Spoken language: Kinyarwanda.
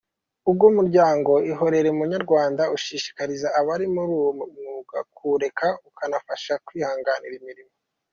Uwo muryango Ihorere Munyarwanda ushishikariza abari muri uwo mwuga kuwureka, ukanabafasha kwihangira imirimo.